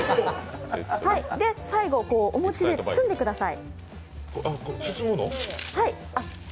最後、お餅で包んでください。